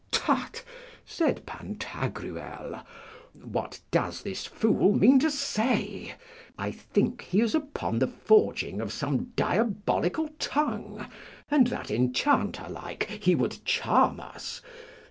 Prut, tut, said Pantagruel, what doth this fool mean to say? I think he is upon the forging of some diabolical tongue, and that enchanter like he would charm us.